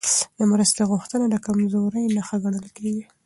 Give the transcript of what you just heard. د مرستې غوښتنه د کمزورۍ نښه ګڼل کېږي.